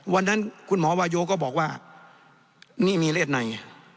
วันนั้นคุณหมอวาโยก็บอกว่านี่มีเลือดใน